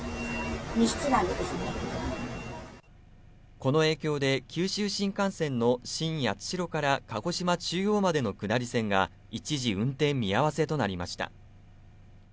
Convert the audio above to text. この影響で九州新幹線の新八代から鹿児島中央までの下り線が一時運転見合わせとなりました。